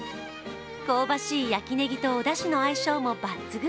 香ばしい焼きねぎとおだしの相性も抜群。